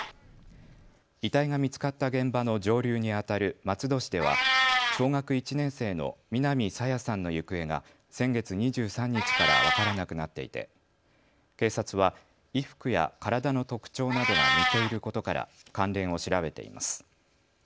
遺体が見つかった現場の上流にあたる松戸市では小学１年生の南朝芽さんの行方が先月２３日から分からなくなっていて警察は衣服や体の特徴などが似ていることから関連を調べています。